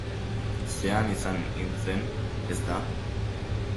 Ze han izan hintzen, ezta?